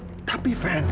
kalaupun aku meninggal